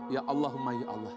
ya allahumma ya allah